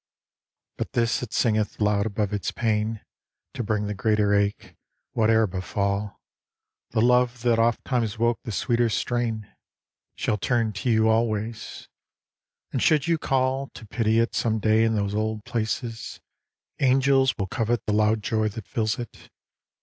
But this it singeth loud above its pain, To bring the greater ache : whate'er befall The love that oft times woke the sweeter strain 159 i6o TO EILISH OF THE FAIR HAIR Shall turn to you always. And should you call To pity it some day in those old places Angels will covet the loud joy that fills it.